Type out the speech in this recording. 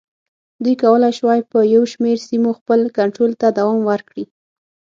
دوی کولای شوای په یو شمېر سیمو خپل کنټرول ته دوام ورکړي.